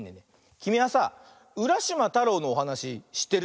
きみはさ「うらしまたろう」のおはなししってる？